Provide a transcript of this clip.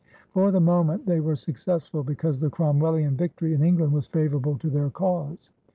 For the moment they were successful, because the Cromwellian victory in England was favorable to their cause.